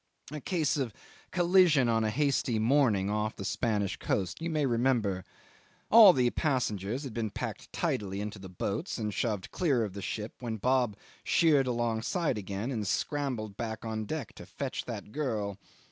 A case of collision on a hazy morning off the Spanish coast you may remember. All the passengers had been packed tidily into the boats and shoved clear of the ship, when Bob sheered alongside again and scrambled back on deck to fetch that girl.